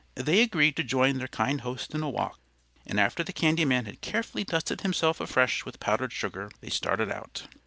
They agreed to join their kind host in a walk, and after the candy man had carefully dusted himself afresh with powdered sugar, they started out.